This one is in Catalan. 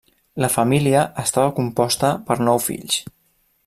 La família estava composta per nou fills.